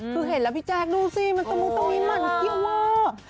คือเห็นแล้วพี่แจ๊กดูสิมันตะมูตะมีมันเยอะว่า